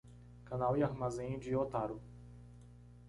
Canal e Armazém de Otaru